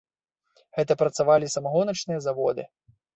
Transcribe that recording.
Гэта працавалі самагоначныя заводы.